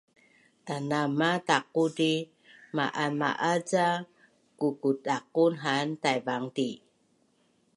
Tanama taquti ma’ama’az ca kukutdaqun haan Taivangti’?